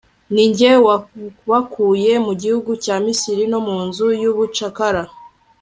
ni jye wabakuye mu gihugu cya misiri no mu nzu y'ubucakara